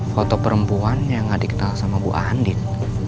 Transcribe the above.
foto perempuan yang gak dikenal sama bu andin